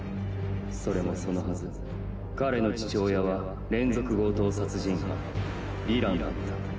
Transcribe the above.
それもそのハズ彼の父親は連続強盗殺人犯ヴィランだった。